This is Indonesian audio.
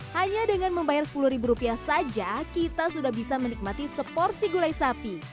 hanya dengan membayar sepuluh ribu rupiah saja kita sudah bisa menikmati seporsi gulai sapi